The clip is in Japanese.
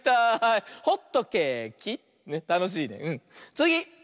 つぎ！